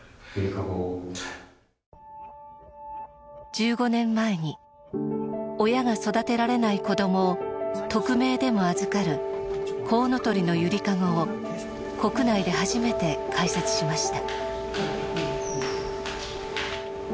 １５年前に親が育てられない子どもを匿名でも預かる「こうのとりのゆりかご」を国内で初めて開設しました。